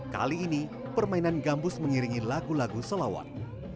kali ini permainan gambus mengiringi lagu lagu selawat